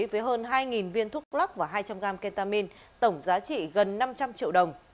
với hơn hai viên thuốc lắc và hai trăm linh gram ketamin tổng giá trị gần năm trăm linh triệu đồng